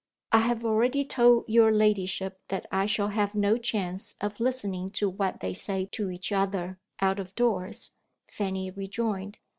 "I have already told your ladyship that I shall have no chance of listening to what they say to each other, out of doors," Fanny rejoined.